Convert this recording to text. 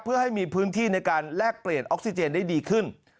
เพื่อให้มีพื้นที่ในการแลกเปลี่ยนออกซิเจนได้ดีขึ้น